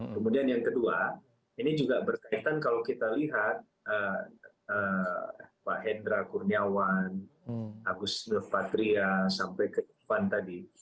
kemudian yang kedua ini juga berkaitan kalau kita lihat pak hendra kurniawan agus nurpatria sampai ke ivan tadi